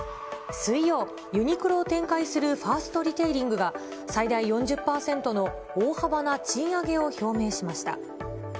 水曜、ユニクロを展開するファーストリテイリングが、最大４０％の大幅な賃上げを表明しました。